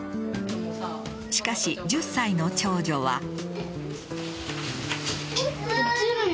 しかし、１０歳の長女は。